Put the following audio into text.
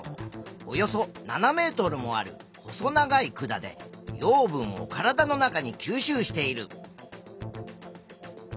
およそ７ｍもある細長い管で養分を体の中に吸収している。